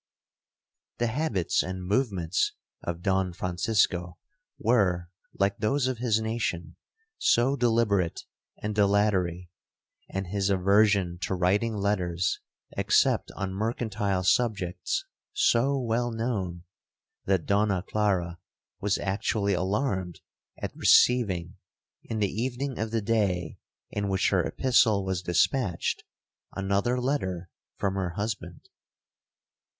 'The habits and movements of Don Francisco were, like those of his nation, so deliberate and dilatory, and his aversion to writing letters, except on mercantile subjects, so well known, that Donna Clara was actually alarmed at receiving, in the evening of the day in which her epistle was dispatched, another letter from her husband.